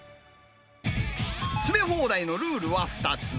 詰め放題のルールは２つ。